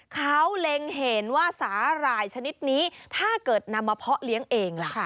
เขาเล็งเห็นว่าสาหร่ายชนิดนี้ถ้าเกิดนำมาเพาะเลี้ยงเองล่ะ